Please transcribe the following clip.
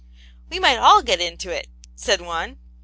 " We might all get into it," said one.